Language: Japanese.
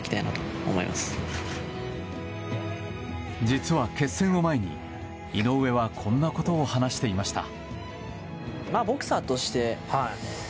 実は決戦を前に、井上はこんなことを話していました。